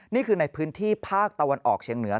นี่คือในพื้นที่ภาคตะวันออกเชียงเหนือ